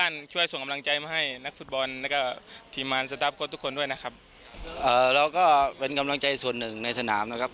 เราก็เป็นกำลังใจส่วนหนึ่งในสนามนะครับ